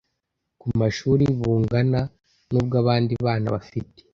ku mashuri bungana n ubw abandi bana bafite